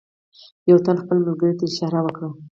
یوه تن خپل ملګري ته اشاره وکړه.